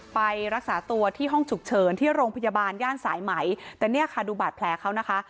ไปรักษาตัวที่ห้องฉุกเฉินที่โรงพยาบาลย่านสายไหมแต่เนี่ยค่ะดูบาดแผลเขานะคะ